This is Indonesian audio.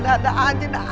ada ada aja dah